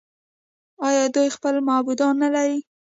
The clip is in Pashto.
آیا دوی خپل معبدونه نلري؟